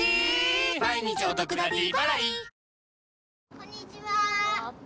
こんにちは。